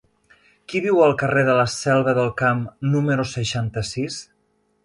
Qui viu al carrer de la Selva del Camp número seixanta-sis?